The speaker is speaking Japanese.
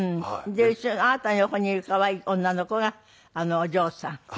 であなたの横にいる可愛い女の子がお嬢さん。